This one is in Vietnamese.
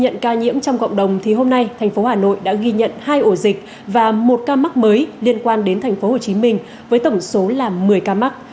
trong cộng đồng thì hôm nay thành phố hà nội đã ghi nhận hai ổ dịch và một ca mắc mới liên quan đến thành phố hồ chí minh với tổng số là một mươi ca mắc